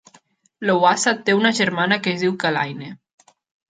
Lowassa té una germana que es diu Kalaine.